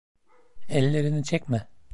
Ellerini çekme.